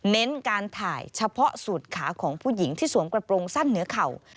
เน้นการถ่ายเฉพาะสูตรขาของผู้หญิงที่สวมกระโปรงสั้นเหนือเข่า